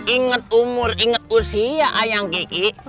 ingat umur inget usia ayang kiki